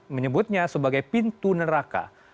dan juga menyebutnya sebagai pintu neraka